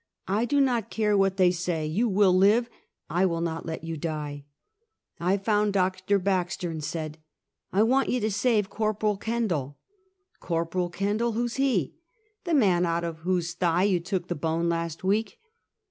I do not care what they say, you will live; I will not let you die!" I found Dr. Baxter, and said: " I want you to save Corporal Kendall!" " Corporal Kendal] ! who is he? " "The man out of whose thigh you took the bone last w^eek."